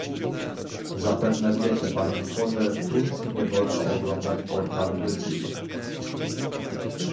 Zapewne wiecie państwo, że w Turcji nie wolno oglądać portalu YouTube